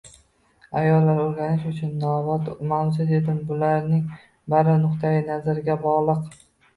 Ayollar o`rganish uchun nobop mavzu, dedim, bularning bari nuqtai nazarga bog`lik